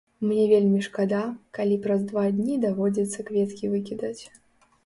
Мне вельмі шкада, калі праз два дні даводзіцца кветкі выкідаць.